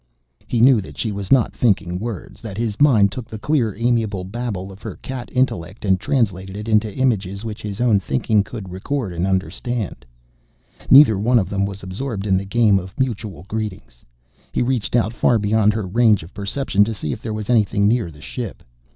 He knew that she was not thinking words, that his mind took the clear amiable babble of her cat intellect and translated it into images which his own thinking could record and understand. Neither one of them was absorbed in the game of mutual greetings. He reached out far beyond her range of perception to see if there was anything near the ship.